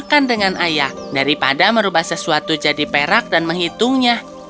dan makan dengan ayah daripada merubah sesuatu menjadi perak dan menghitungnya